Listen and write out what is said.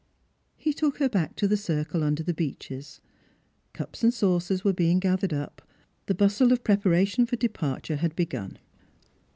He took her back to the cii cle under the Beeches. Cups and saucers were being gathered up, the bustle of preparation for departure had begun.